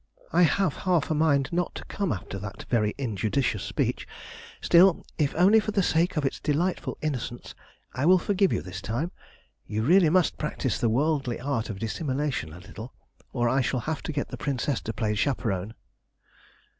"I have half a mind not to come after that very injudicious speech. Still, if only for the sake of its delightful innocence, I will forgive you this time. You really must practise the worldly art of dissimulation a little, or I shall have to get the Princess to play chaperon."